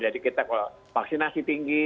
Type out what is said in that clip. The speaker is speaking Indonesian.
jadi kita vaksinasi tinggi